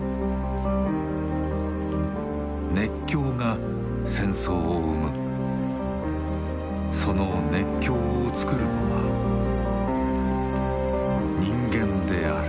熱狂が戦争を生むその熱狂をつくるのは人間である。